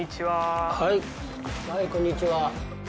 はいこんにちは。